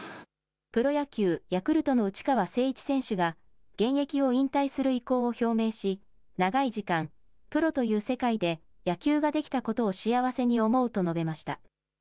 プロ野球・ヤクルトの内川聖一選手が現役を引退する意向を表明し、長い時間、プロという世界で野球ができたことを幸せに思うと述べました。